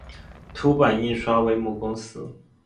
凸版印刷为母公司。